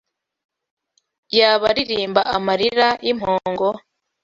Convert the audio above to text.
Yaba aririmba amarira yimpongo